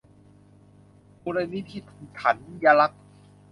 มูลนิธิถันยรักษ์